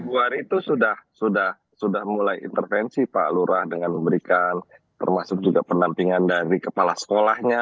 dua hari itu sudah mulai intervensi pak lurah dengan memberikan termasuk juga penampingan dari kepala sekolahnya